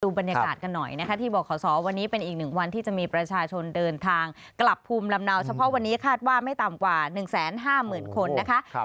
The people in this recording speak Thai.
บรรยากาศกันหน่อยนะคะที่บอกขอสอวันนี้เป็นอีกหนึ่งวันที่จะมีประชาชนเดินทางกลับภูมิลำเนาเฉพาะวันนี้คาดว่าไม่ต่ำกว่า๑๕๐๐๐คนนะคะ